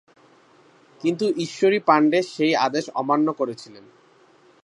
কিন্তু ঈশ্বরী পান্ডে সেই আদেশ অমান্য করেছিলেন।